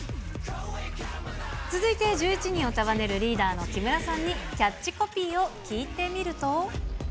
続いて１１人を束ねるリーダーの木村さんに、キャッチコピーを聞いてみると。